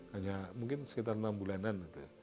hanya mungkin sekitar enam bulanan